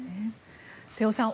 瀬尾さん